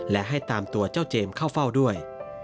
และให้ตามตัวเจ้าเจมส์เข้าเฝ้าด้วย